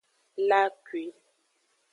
La akwi.